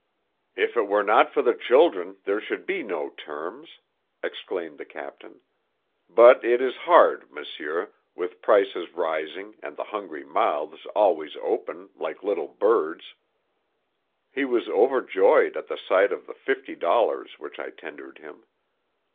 "If it were not for the children there should be no terms!" exclaimed the captain. "But it is hard, monsieur, with prices rising and the hungry mouths always open, like little birds." He was overjoyed at the sight of the fifty dollars which I tendered him.